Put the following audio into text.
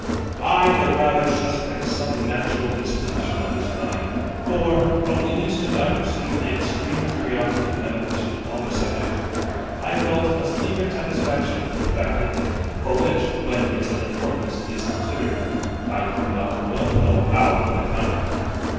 I the rather suspect some natural disposition of this kind; for, from the instant I perceived the extreme curiosity manifested on the subject, I felt a secret satisfaction in baffling it, for which, when its unimportance is considered, I do not well know how to account.